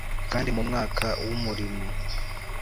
kandi mu mwaka w umurimo